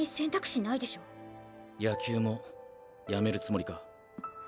野球もやめるつもりか。